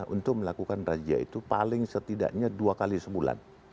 untuk melakukan razia itu paling setidaknya dua kali sebulan